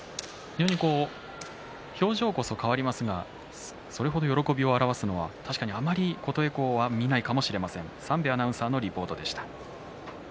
表情こそ変わりませんがそれ程、喜びを表すのはあまり琴恵光は見ないかもしれません。